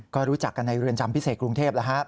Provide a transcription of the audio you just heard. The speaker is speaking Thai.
ก็รู้จักกันในเรือนจำพิเศษกรุงเทพฯหรือครับ